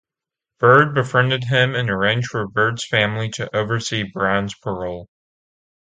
Byrd befriended him and arranged for Byrd's family to oversee Brown's parole.